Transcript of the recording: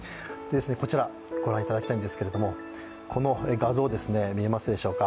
こちら、ご覧いただきたいんですけどもこの画像、見えますでしょうか。